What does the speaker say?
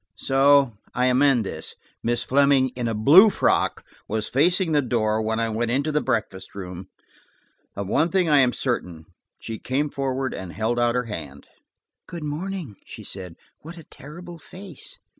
So I amend this. Miss Fleming in a blue frock was facing the door when I went into the breakfast room. Of one thing I am certain. She came forward and held out her hand. "Good morning," she said. "What a terrible face!"